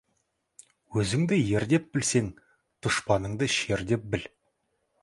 Өзіңді ер деп білсең, дұшпаныңды шер деп біл.